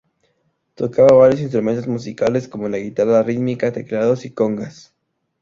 Tocaba varios instrumentos musicales, como la guitarra rítmica, teclados y congas.